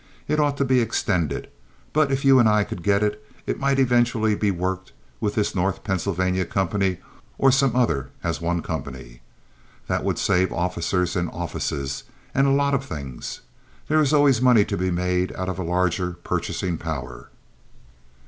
It ought to be extended; but if you and I could get it, it might eventually be worked with this North Pennsylvania Company or some other as one company. That would save officers and offices and a lot of things. There is always money to be made out of a larger purchasing power."